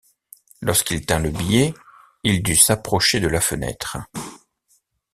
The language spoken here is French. Lorsqu’il tint le billet, il dut s’approcher de la fenêtre.